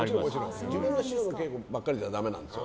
自分の師匠の稽古ばっかりじゃダメなんですよ。